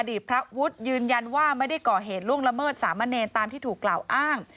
พระวุฒิยืนยันว่าไม่ได้ก่อเหตุล่วงละเมิดสามะเนรตามที่ถูกกล่าวอ้าง